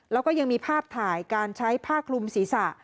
แล้วก็ยังมีภาพถ่ายการใช้ผ้าคลุมศีรษะ